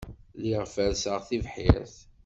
Lliɣ ferrseɣ tibḥirt.